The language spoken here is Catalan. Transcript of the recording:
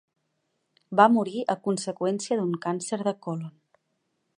Va morir a conseqüència d'un càncer de còlon.